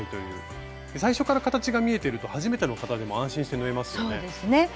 最初から形が見えていると初めての方でも安心して縫えますよね。